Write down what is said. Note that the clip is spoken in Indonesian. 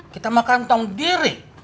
kita makan tangan sendiri